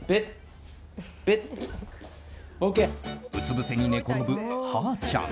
うつぶせに寝転ぶ、はーちゃん。